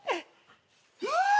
うわ！